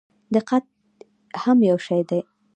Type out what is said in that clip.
دقت هم یو شی دی.